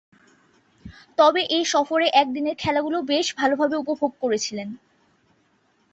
তবে, এ সফরে একদিনের খেলাগুলো বেশ ভালোভাবে উপভোগ করেছিলেন।